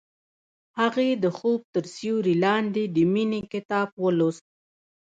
هغې د خوب تر سیوري لاندې د مینې کتاب ولوست.